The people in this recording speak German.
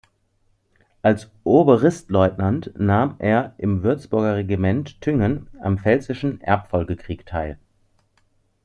Als Obristleutnant nahm er im Würzburger Regiment Thüngen am Pfälzischen Erbfolgekrieg teil.